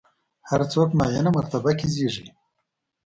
هر څوک معینه مرتبه کې زېږي.